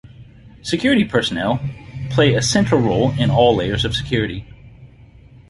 "Security personnel" play a central role in all layers of security.